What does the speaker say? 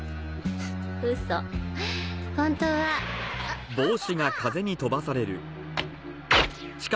ウソ本当はあっ！？